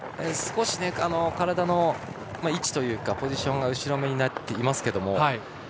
少し体の位置というかポジションが後ろめになってますけども。